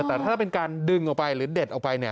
แต่ถ้าเป็นการดึงออกไปหรือเด็ดออกไป